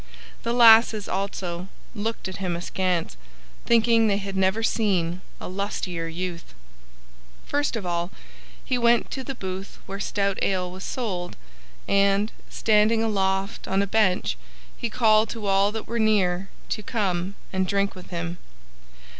The lasses, also, looked at him askance, thinking they had never seen a lustier youth. First of all he went to the booth where stout ale was sold and, standing aloft on a bench, he called to all that were near to come and drink with him.